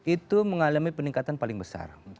itu mengalami peningkatan paling besar